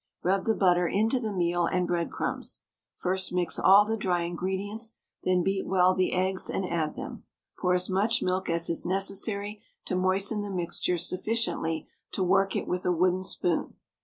Rub the butter into the meal and breadcrumbs. First mix all the dry ingredients, then beat well the eggs and add them. Pour as much milk as is necessary to moisten the mixture sufficiently to work it with a wooden spoon.